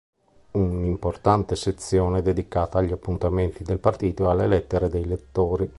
Un'importante sezione è dedicata agli appuntamenti del partito e alle lettere dei lettori.